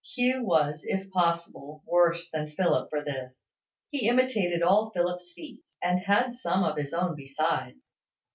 Hugh was, if possible, worse than Philip for this. He imitated all Philip's feats, and had some of his own besides.